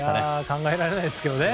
考えられないですけどね。